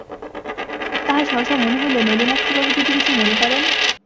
তাহার সহসা মনে হইল, নলিনাক্ষবাবু যদি কিছু মনে করেন।